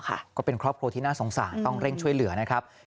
ก็เป็นครอบครัวที่น่าสงสารต้องเร่งช่วยเหลือนะครับ